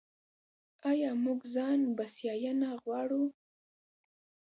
آیا موږ ځان بسیاینه غواړو؟